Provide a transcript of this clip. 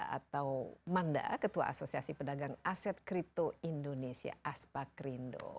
atau manda ketua asosiasi pedagang aset kripto indonesia aspak rindo